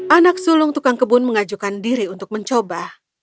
anak sulung tukang kebun mengajukan diri untuk mencoba